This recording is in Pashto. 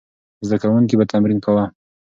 زده کوونکي به تمرین کاوه.